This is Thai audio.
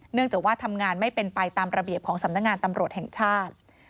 จากว่าทำงานไม่เป็นไปตามระเบียบของสำนักงานตำรวจแห่งชาติ